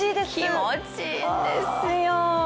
気持ちいいんですよ。